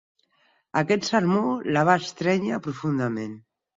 Aquest sermó la va estrènyer profundament.